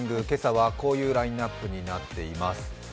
今朝はこういうラインナップになっています。